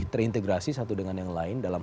terintegrasi satu dengan yang lain dalam